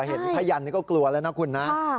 เห็นผ้ายันก็กลัวแล้วนะคุณนะ